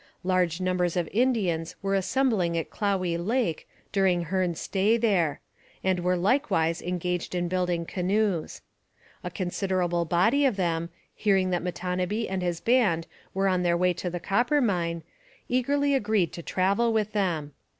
Large numbers of Indians were assembling at Clowey Lake during Hearne's stay there, and were likewise engaged in building canoes. A considerable body of them, hearing that Matonabbee and his band were on the way to the Coppermine, eagerly agreed to travel with them.